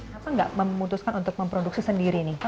kenapa nggak memutuskan untuk memproduksi sendiri nih